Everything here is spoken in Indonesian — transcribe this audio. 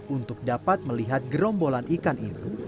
untuk dapat melihat gerombolan ikan itu